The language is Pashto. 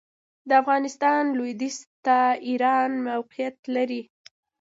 د افغانستان لوېدیځ ته ایران موقعیت لري.